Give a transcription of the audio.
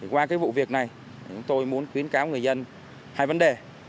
qua cái vụ việc này chúng tôi muốn khuyến cáo người dân hai vấn đề